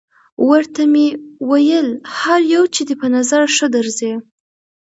ورته ومې ویل: هر یو چې دې په نظر ښه درځي.